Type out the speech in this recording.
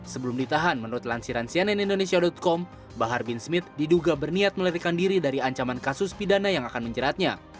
sebelum ditahan menurut lansiran cnn indonesia com bahar bin smith diduga berniat melarikan diri dari ancaman kasus pidana yang akan menjeratnya